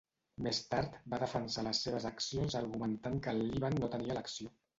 Més tard, va defensar les seves accions argumentant que el Líban no tenia elecció.